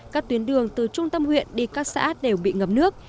các tuyến đường từ trung tâm huyện đi các xã đều bị ngập nước